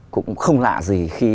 cũng không lạ gì khi